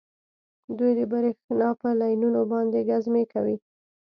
دوی د بریښنا په لینونو باندې ګزمې کوي